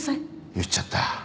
言っちゃった。